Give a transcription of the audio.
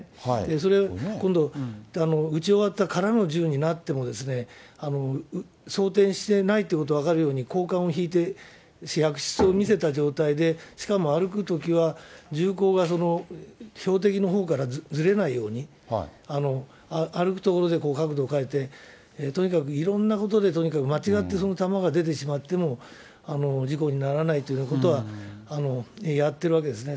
それを今度、撃ち終わった空の中になっても、装填してないってことが分かるように、こうかんを引いて薬室を見せた状態で、しかも歩くときは、銃口が標的のほうからずれないように、歩くところで角度を変えて、とにかくいろんなことでとにかく間違ってその弾が出てしまっても、事故にならないというようなことはやってるわけですね。